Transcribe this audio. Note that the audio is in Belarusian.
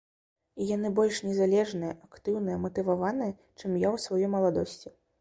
І яны больш незалежныя, актыўныя, матываваныя, чым я ў сваёй маладосці.